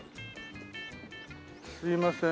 すいません。